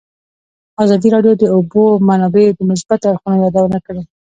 ازادي راډیو د د اوبو منابع د مثبتو اړخونو یادونه کړې.